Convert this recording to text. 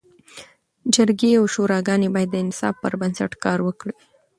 جرګي او شوراګاني باید د انصاف پر بنسټ کار وکړي.